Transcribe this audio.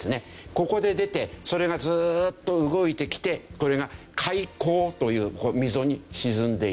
ここで出てそれがずっと動いてきてこれが海溝という溝に沈んでいく。